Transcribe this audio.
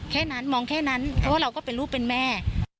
แค่นั้นมองแค่นั้นเพราะว่าเราก็เป็นลูกเป็นแม่